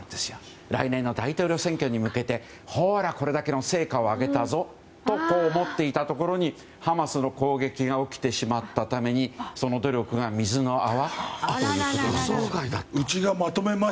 来年の大統領選挙に向けてこれだけの成果を上げたぞと思っていたところにハマスの攻撃が起きてしまったためにその努力が水の泡。